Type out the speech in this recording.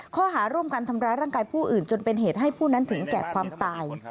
ข้อหาร่วมกันทำร้ายร่างกายผู้อื่นจนเป็นเหตุให้ผู้นั้นถึงแก่ความตาย